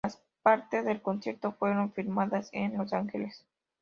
Las partes del concierto fueron filmadas en Los Ángeles.